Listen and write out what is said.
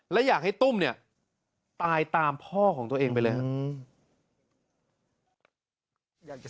และอยากให้ตุ้มเนี่ยตายตามพ่อของตัวเองไปเลยครับ